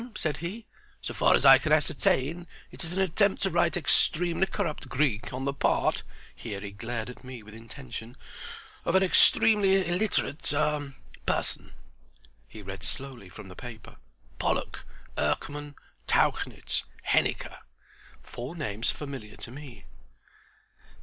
H'mm," said he. "So far as I can ascertain it is an attempt to write extremely corrupt Greek on the part"—here he glared at me with intention—"of an extremely illiterate—ah—person." He read slowly from the paper, "Pollock, Erckman, Tauchnitz, Henniker"—four names familiar to me.